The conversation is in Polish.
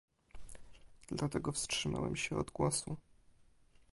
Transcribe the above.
Dlatego wstrzymałem się od głosu